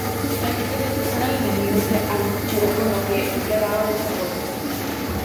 Allí tras expulsar al enemigo se atrincheró con lo que quedaba de sus fuerzas.